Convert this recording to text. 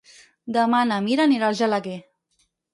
Demà na Mira anirà a Argelaguer.